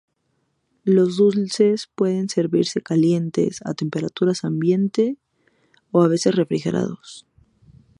Los dulces pueden servirse calientes, a temperatura ambiente o a veces refrigerados.